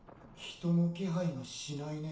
人の気配がしないね。